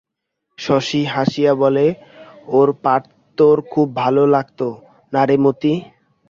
শশী হাসিয়া বলে, ওর পার্ট তোর খুব ভালো লাগত, না রে মতি?